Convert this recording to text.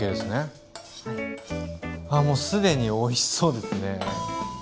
ああもう既においしそうですね。